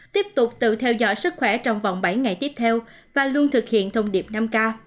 tiếp tục tự theo dõi sức khỏe trong vòng bảy ngày tiếp theo và luôn thực hiện thông điệp năm k